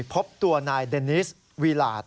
พบตัวนายเดนิสวีหลาด